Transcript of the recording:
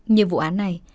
như vụ án này